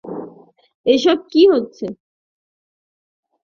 এসব কী হচ্ছে?